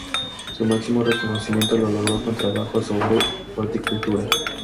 Su máximo reconocimiento lo logró con trabajos sobre horticultura.